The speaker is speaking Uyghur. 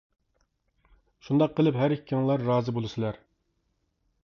شۇنداق قىلىپ ھەر ئىككىڭلار رازى بولىسىلەر.